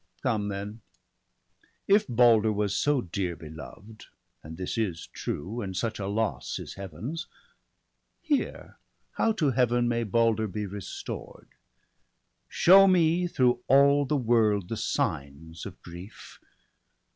Come then ! if Balder was so dear beloved, And this is true, and such a loss is Heaven's — Hear, how to Heaven may Balder be restored. Show me through all the world the signs of grief!